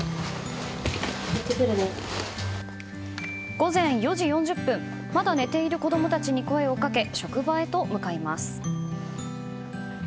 午前４時４０分まだ寝ている子供たちに声をかけ職場へと向かいます。